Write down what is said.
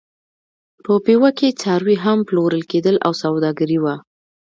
په پېوه کې څاروي هم پلورل کېدل او سوداګري وه.